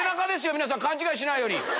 皆さん勘違いしないように。